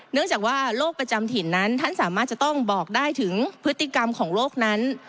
เนื่องจากว่าโรคประจำถิ่นนั้นท่านสามารถจะต้องบอกได้ถึงพฤติกรรมของโลกนั้น